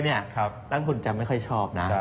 ตั้งทุนจะไม่ค่อยชอบนะ